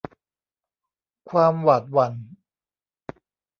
ความหวาดหวั่น